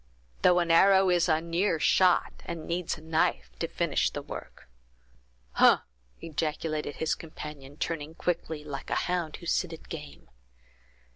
Though an arrow is a near shot, and needs a knife to finish the work." "Hugh!" ejaculated his companion, turning quickly, like a hound who scented game.